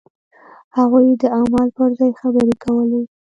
هغوی د عمل پر ځای خبرې کولې.